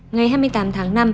ngày hai mươi tám tháng năm